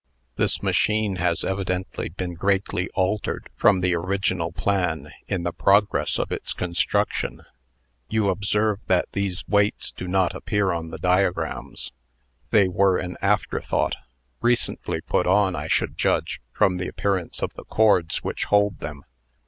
This machine has evidently been greatly altered from the original plan in the progress of its construction. You observe that these weights do not appear on the diagrams. They were an afterthought recently put on, I should judge, from the appearance of the cords which hold them.